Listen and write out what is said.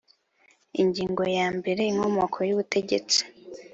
Ingingo ya mbere Inkomoko y ubutegetsi